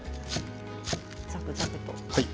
ザクザクと。